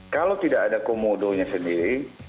kalau tidak ada komodonya sendiri